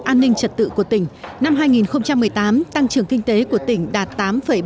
an ninh trật tự của tỉnh năm hai nghìn một mươi tám tăng trưởng kinh tế của tỉnh đạt tám ba mươi